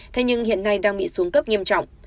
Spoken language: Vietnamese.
thế nhưng hiện nay đang bị xuống cấp nghiêm trọng